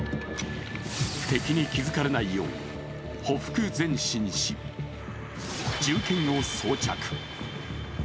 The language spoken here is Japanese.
敵に気付かれないようほふく前進し銃剣を装着。